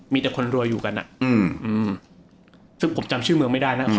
มีแต่คนรวยอยู่กันซึ่งผมจำชื่อเมืองไม่ได้นะ